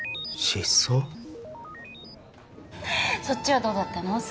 そっちはどうだったの？